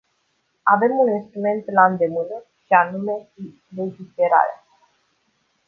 Avem un instrument la îndemână, și anume legiferarea.